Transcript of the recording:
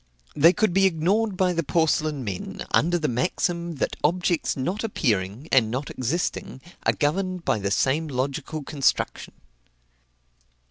They could be ignored by the porcelain men, under the maxim, that objects not appearing, and not existing, are governed by the same logical construction.